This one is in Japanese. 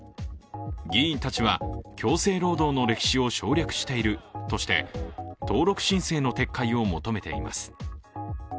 議員たちは、強制労働の歴史を省略しているとして登録申請の撤回を求めています。